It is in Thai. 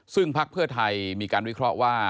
ซึ่งพักเพื่อไทยมีการวิเคราะห์ว่า